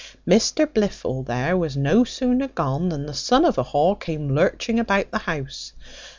Mr Blifil there was no sooner gone than the son of a whore came lurching about the house.